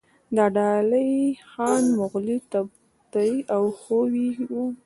دا ډلې خان، مغولي، تبتي او خویي وو.